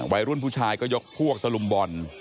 วัยรุ่นผู้ชายก็ยกพวกตะลุมบ่อน